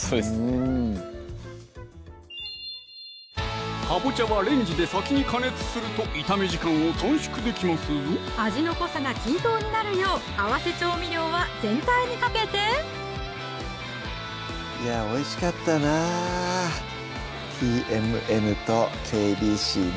うんかぼちゃはレンジで先に加熱すると炒め時間を短縮できますぞ味の濃さが均等になるよう合わせ調味料は全体にかけていやぁおいしかったなねっあっですね